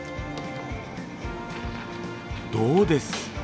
どうです？